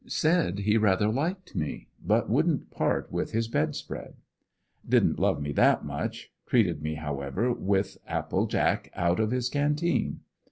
Said he rather liked me but wouldn't part with his bed spread. Didn't love me that much, treated me however with apple jack out of his canteen.